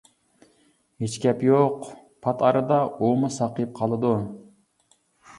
ھېچ گەپ يوق، پات ئارىدا ئۇمۇ ساقىيىپ قالىدۇ.